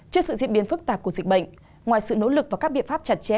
trước sự diễn biến phức tạp của dịch bệnh ngoài sự nỗ lực và các biện pháp chặt chẽ